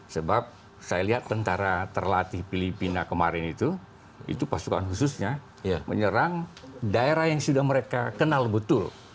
sebab saya lihat tentara terlatih filipina kemarin itu itu pasukan khususnya menyerang daerah yang sudah mereka kenal betul